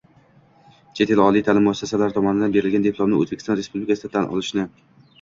chet el Oliy ta’lim muassasalari tomonidan berilgan diplomni O‘zbekiston Respublikasida tan olinishi